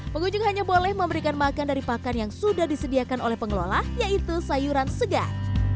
pengunjung hanya boleh memberikan makan dari pakan yang sudah disediakan oleh pengelola yaitu sayuran segar